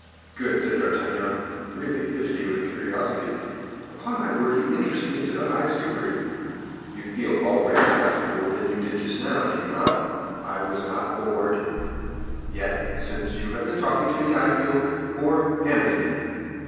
"Good," said D'Artagnan, really fidgety with curiosity, "upon my word you interest me in the highest degree." "You feel already less bored than you did just now, do you not?" "I was not bored; yet since you have been talking to me, I feel more animated."